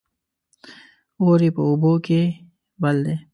اور يې په اوبو کې بل دى